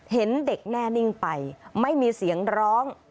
เห็นเด็กแน่นิ่งไปไม่มีเสียงร้อง